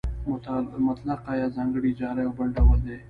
مطلقه یا ځانګړې اجاره یو بل ډول دی